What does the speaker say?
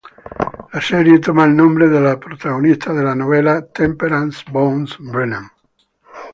La serie toma el nombre de la protagonista de las novelas, Temperance "Bones" Brennan.